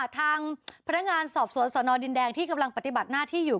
ทางพนักงานสอบสวนสนดินแดงที่กำลังปฏิบัติหน้าที่อยู่